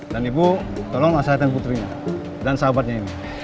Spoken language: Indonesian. dan ibu tolong asahatan putrinya dan sahabatnya ini